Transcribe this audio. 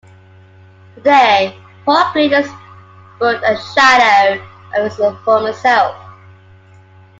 Today, Port Crane is but a shadow of its former self.